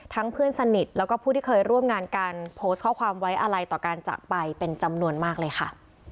เพื่อนสนิทแล้วก็ผู้ที่เคยร่วมงานการโพสต์ข้อความไว้อะไรต่อการจากไปเป็นจำนวนมากเลยค่ะ